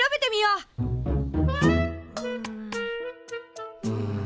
うん。